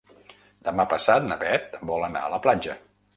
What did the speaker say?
Demà passat na Beth vol anar a la platja.